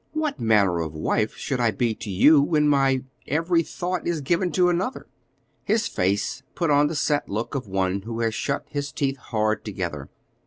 What manner of wife should I be to you when my every thought is given to another?" His face put on the set look of one who has shut his teeth hard together.